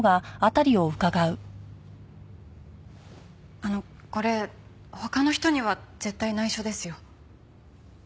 あのこれ他の人には絶対内緒ですよ。